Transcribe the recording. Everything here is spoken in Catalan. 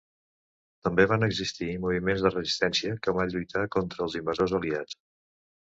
També van existir moviments de resistència que van lluitar contra els invasors aliats.